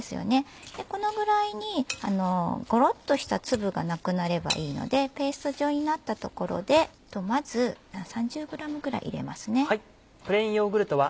このぐらいにゴロっとした粒がなくなればいいのでペースト状になったところでまず３０ｇぐらい入れますね。